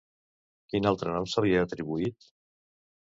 Quin altre nom se li ha atribuït?